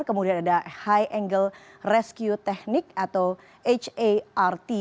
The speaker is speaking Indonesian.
kemudian ada high angle rescue technique atau hart